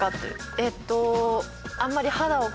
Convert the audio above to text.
えっと。